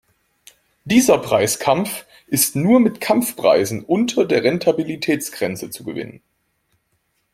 Dieser Preiskampf ist nur mit Kampfpreisen unter der Rentabilitätsgrenze zu gewinnen.